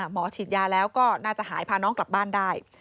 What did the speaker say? หมอฉีดยาแล้วก็น่าจะหายพาน้องกลับบ้านได้